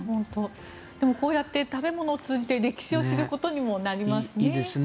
でも、こうやって食べ物を通じて歴史を知ることにもなりますね。